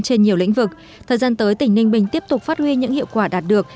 trên nhiều lĩnh vực thời gian tới tỉnh ninh bình tiếp tục phát huy những hiệu quả đạt được